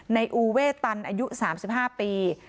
อูเวตันอายุ๓๕ปี